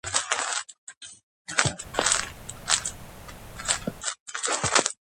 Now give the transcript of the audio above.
ერთ-ერთი ყველაზე მნიშვნელოვანი ფიგურა და ასევე ძლიერი ადვოკატი.